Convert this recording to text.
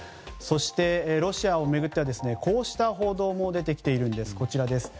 そして、ロシアを巡ってはこうした報道も出てきているんです。